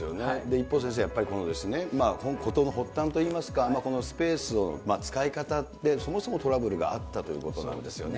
一方、先制、やっぱり、事の発端といいますか、このスペースの使い方で、そもそもトラブルがあったということなんですよね。